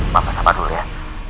bapak sabar dulu ya